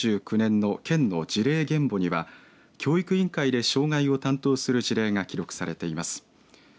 １９４９年の県の辞令原簿には教育委員会で渉外を担当する事例が記録されています。